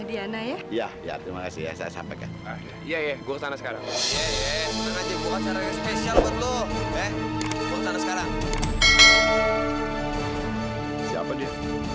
diana ya ya ya terima kasih saya sampaikan iya gue sana sekarang ya ya ya